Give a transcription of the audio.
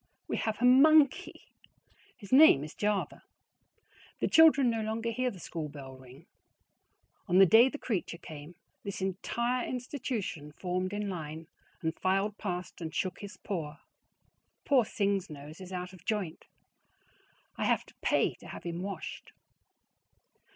WE HAVE A MONKEY! His name is Java. The children no longer hear the school bell ring. On the day the creature came, this entire institution formed in line and filed past and shook his paw. Poor Sing's nose is out of joint. I have to PAY to have him washed.